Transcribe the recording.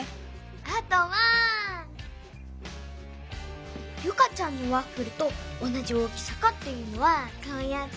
あとはユカちゃんのワッフルとおなじ大きさかっていうのはこうやって。